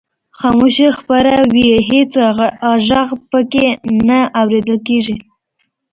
خاموشي خپره وي هېڅ غږ پکې نه اورېدل کیږي.